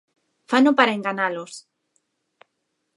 Fano para enganalos.